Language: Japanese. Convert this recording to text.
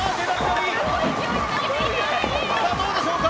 さあどうでしょうか。